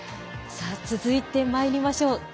続いてまいりましょう。